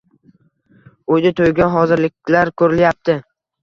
Uyda to'yga hozirliklar ko'rilyapti.